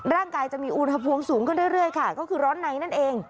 จะมีอุณหภูมิสูงขึ้นเรื่อยค่ะก็คือร้อนในนั่นเอง